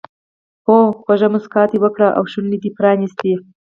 هو خوږه موسکا دې وکړه او شونډې دې پرانیستې.